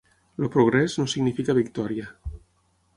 El progrés no significa victòria.